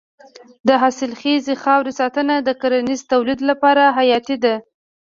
د حاصلخیزې خاورې ساتنه د کرنیزې تولید لپاره حیاتي ده.